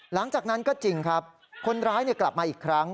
หลังจากนั้นก็จริงครับคนร้ายกลับมาอีกครั้ง